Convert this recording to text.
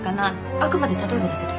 あくまで例えばだけど。